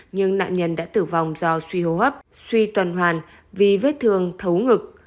nhưng nạn nhân đã tử vong do suy hô hấp suy tuần hoàn vì vết thương thấu ngực